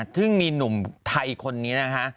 ซึ่งมีหนุ่มไทยคนนี้นะคะ